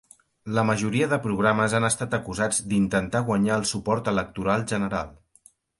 La majoria de programes han estat acusats d"intentar guanyar el suport electoral general.